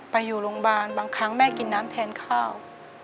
ไปอยู่โรงพยาบาลบางครั้งแม่กินน้ำแทนข้าว